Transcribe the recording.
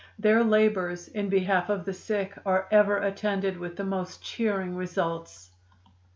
Their labors in behalf of the sick are ever attended with the most cheering results.